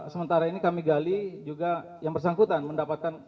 sementara ini kami gali juga yang bersangkutan mendapatkan